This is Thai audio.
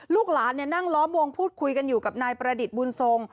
ลูกหลานนั่งล้อมวงพูดคุยกันอยู่กับนายประดิษฐ์บุญทรง